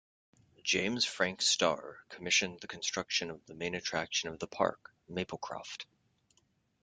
James Frank Starr, commissioned the construction of the main attraction of the park, "Maplecroft".